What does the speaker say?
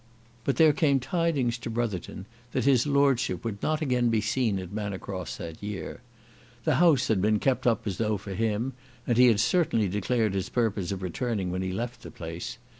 But there came tidings to Brotherton that his lordship would not again be seen at Manor Cross that year. The house had been kept up as though for him, and he had certainly declared his purpose of returning when he left the place.